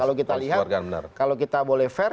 kalau kita lihat kalau kita boleh fair